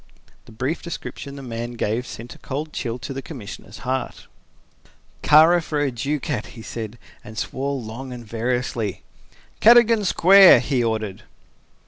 The brief description the man gave sent a cold chill to the Commissioner's heart. "Kara for a ducat!" he said, and swore long and variously. "Cadogan Square," he ordered.